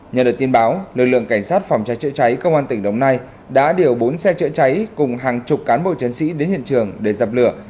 nhờ được tin báo lực lượng cảnh sát phòng cháy chữa cháy công an tỉnh đồng nai đã điều bốn xe chữa cháy cùng hàng chục cán bộ chiến sĩ đến hiện trường để dập lửa